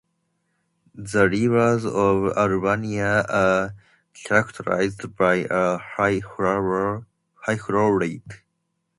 The rivers of Albania are characterized by a high flow rate.